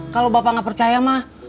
kalau bapak nggak percaya mah